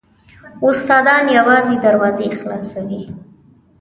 استادان یوازې دروازې خلاصوي .